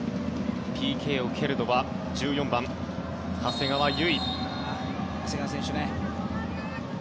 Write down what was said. ＰＫを蹴るのは１４番、長谷川唯。